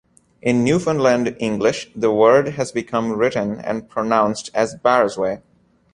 In Newfoundland English, the word has become written and pronounced as barrasway.